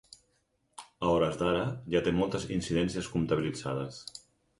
A hores d’ara ja té moltes incidències comptabilitzades.